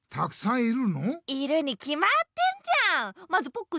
いるにきまってんじゃん。